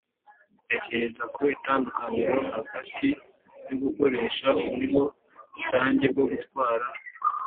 Tekereza ku itandukaniro hagati yo gukoresha uburyo rusange bwo gutwara